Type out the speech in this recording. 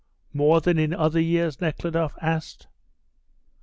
"More than in other years?" Nekhludoff asked.